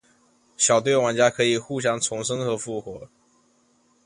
小队玩家可以互相重生和复活。